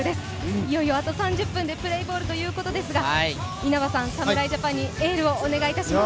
いよいよあと３０分でプレーボールということですが、稲葉さん、侍ジャパンにエールをお願いします。